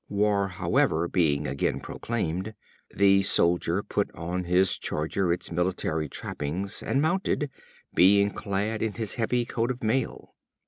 War, however, being again proclaimed, the Soldier put on his charger its military trappings, and mounted, being clad in his heavy coat of mail.